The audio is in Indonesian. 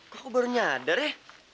kok aku baru nyadar ya